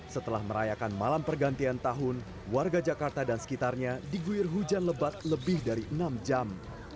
setelah merayakan malam pergantian tahun warga jakarta dan sekitarnya diguir hujan lebat lebih dari enam jam